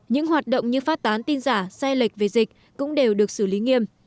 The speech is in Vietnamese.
những hoạt động như phát tán tin giả sai lệch về dịch cũng đều được xử lý nghiêm